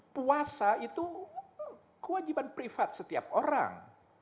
puasa itu kewajiban privat setiap orang